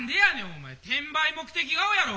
お前転売目的顔やろ！